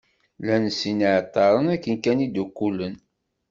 Llan sin n yiεeṭṭaren akken kan i ddukkulen.